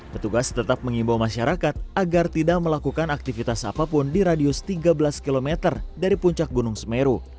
petugas tetap mengimbau masyarakat agar tidak melakukan aktivitas apapun di radius tiga belas km dari puncak gunung semeru